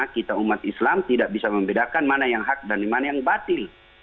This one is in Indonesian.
kita umat islam tidak bisa membedakan mana yang hak dan mana yang batil